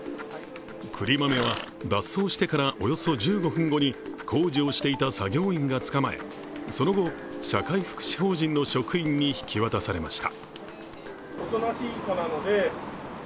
くりまめは、脱走してからおよそ１５分後に工事をしていた作業員が捕まえその後、社会福祉法人の職員に引き渡されました。